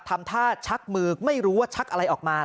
ทำท่าชักมือไม่รู้ว่าชักอะไรออกมา